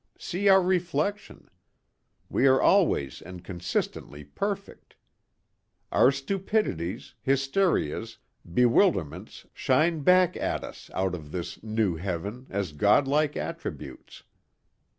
See our reflection. We are always and consistently perfect. Our stupidities, hysterias, bewilderments shine back at us out of this new Heaven as God like attributes.